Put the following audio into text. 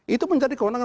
itu menjadi kewenangan